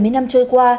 bảy mươi năm trôi qua